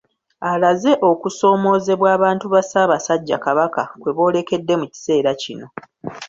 Alaze okusoomoozebwa abantu ba Ssaabasajja Kabaka kwe boolekedde mu kiseera kino.